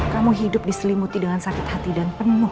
kamu hidup diselimuti dengan sakit hati dan penuh